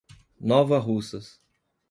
Nova Russas